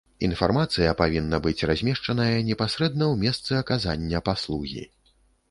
Інфармацыя павінна быць размешчаная непасрэдна ў месцы аказання паслугі.